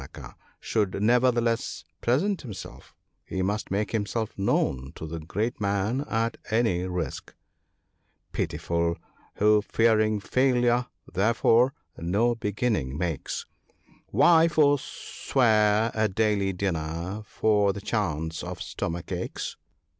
*A dependant/ replied Damanaka, 'should neverthe less present himself; he must make himself known to the great man, at any risk, —" Pitiful, who fearing failure, therefore no beginning makes, Why forswear a daily dinner for the chance of stomachaches